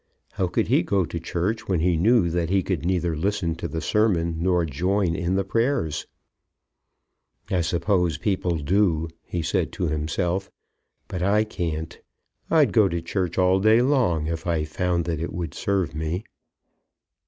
How could he go to church when he knew that he could neither listen to the sermon nor join in the prayers? "I suppose people do," he said to himself; "but I can't. I'd go to church all day long, if I found that it would serve me."